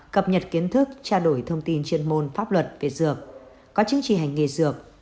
cập nhật kiến thức trao đổi thông tin chuyên môn pháp luật về dược có chứng chỉ hành nghề dược